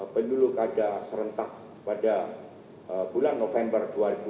pendulu kadal serentak pada bulan november dua ribu dua puluh empat